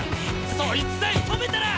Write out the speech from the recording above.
そいつさえ止めたら！